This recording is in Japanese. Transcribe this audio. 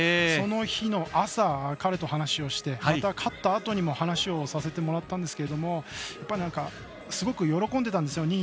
その日の朝、彼と話をしてまた勝ったあとにも話をさせてもらったんですがすごく喜んでたんですよ。